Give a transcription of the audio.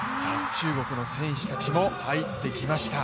中国の選手たちも入ってきました。